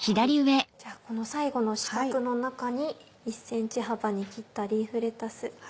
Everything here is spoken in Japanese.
じゃあこの最後の四角の中に１ｃｍ幅に切ったリーフレタス。